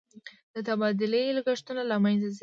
د تبادلې لګښتونه له منځه ځي.